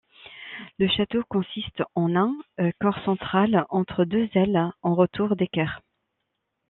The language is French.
Le château consiste en un corps central entre deux ailes en retour d'équerre.